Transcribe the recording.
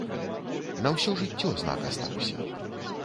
На ўсё жыццё знак астаўся.